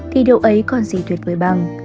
thì điều ấy còn gì tuyệt vời bằng